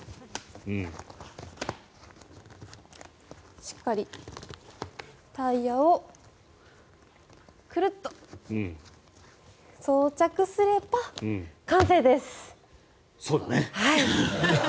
しっかりタイヤをクルッと装着すれば完成です。